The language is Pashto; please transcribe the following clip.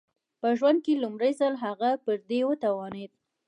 په ژوند کې لومړی ځل هغه پر دې وتوانېد